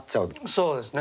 そうですね。